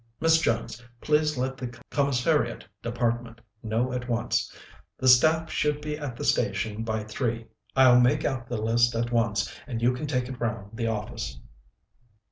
Miss Jones, please let the Commissariat Department know at once. The staff should be at the station by three. I'll make out the list at once, and you can take it round the office."